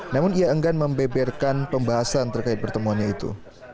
namun ia enggan membeberkan pembahasan terkait pertemuannya itu